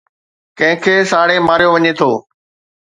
ڪنهن کي ساڙي ماريو وڃي ٿو